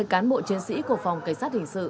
năm mươi cán bộ chiến sĩ của phòng kế sát hình sự